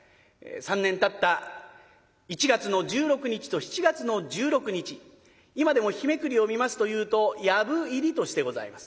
３年たった１月の１６日と７月の１６日今でも日めくりを見ますというと「藪入り」としてございます。